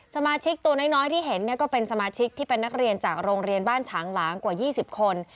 สมาชิกตัวน้อยที่เห็นก็เป็นสมาชิกที่เป็นนักเรียนจากโรงเรียนบ้านฉางหลางกว่า๒๐คน